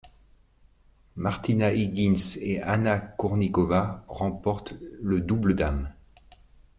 Martina Hingis et Anna Kournikova remportent le double dames.